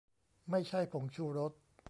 ไม่ใช่ผงชูรส